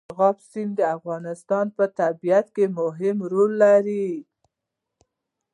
مورغاب سیند د افغانستان په طبیعت کې مهم رول لري.